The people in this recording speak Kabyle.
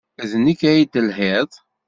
D nekk ay d-telhiḍ?